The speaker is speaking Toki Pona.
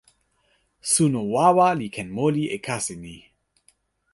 suno wawa li ken moli e kasi ni.